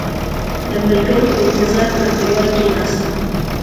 د ملګرو په انتظار پر دېوال کېناستم.